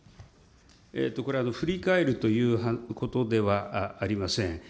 これ、ふりかえるということではありません。